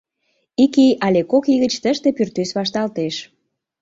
Ик ий але кок ий гыч тыште пӱртӱс вашталтеш...